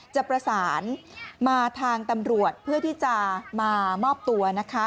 จะประสานมาทางตำรวจเพื่อที่จะมามอบตัวนะคะ